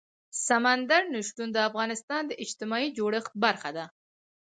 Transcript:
سمندر نه شتون د افغانستان د اجتماعي جوړښت برخه ده.